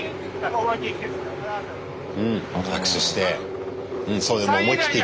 うん握手して。